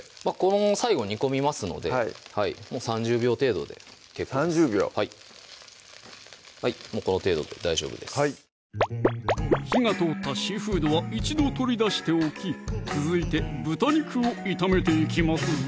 最後煮込みますのでもう３０秒程度で結構です３０秒もうこの程度で大丈夫ですはい火が通ったシーフードは一度取り出しておき続いて豚肉を炒めていきますぞ